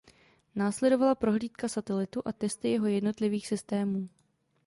Následovala prohlídka satelitu a testy jeho jednotlivých systémů.